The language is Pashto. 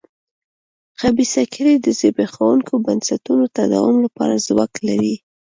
خبیثه کړۍ د زبېښونکو بنسټونو تداوم لپاره ځواک لري.